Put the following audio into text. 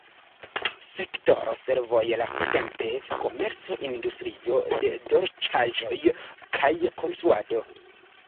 Sektoro servoj lastatempe: komerco, industrio de dolĉaĵoj kaj konstruado.